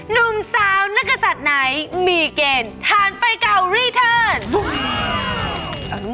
หนุ่มสาวนักศัตริย์ไหนมีเกณฑ์ทานไฟเก่ารีเทิร์น